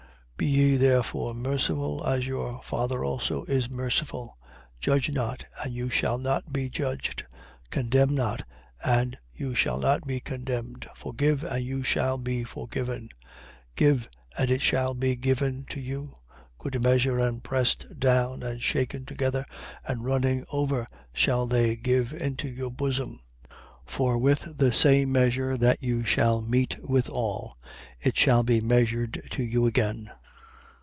6:36. Be ye therefore merciful, as your Father also is merciful. 6:37. Judge not: and you shall not be judged. Condemn not: and you shall not be condemned. Forgive: and you shall be forgiven. 6:38. Give: and it shall be given to you: good measure and pressed down and shaken together and running over shall they give into your bosom. For with the same measure that you shall mete withal, it shall be measured to you again.